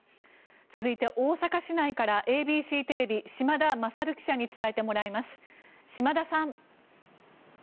続いて、大阪市内からＡＢＣテレビ、島田大記者に伝えてもらいます。